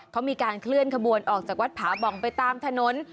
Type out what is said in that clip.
เขามีการเคลื่อนขบวนออกจากวัดผาบ่องไปตามถนน